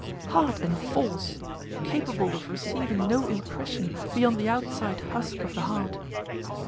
"Hard and false, capable of receiving no impression beyond the outside husk of the heart."